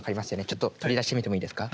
ちょっと取り出してみてもいいですか。